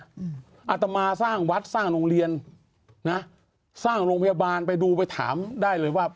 อาตมาสร้างวัดสร้างโรงเรียนนะสร้างโรงพยาบาลไปดูไปถามได้เลยว่า